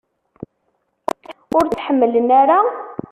Ur tt-ḥemmlen ara?